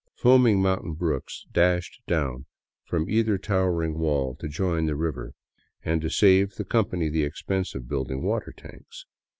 Foaming mountain brooks dashed down from either towering wall to join the river — and to save the company the expense of building water tanks.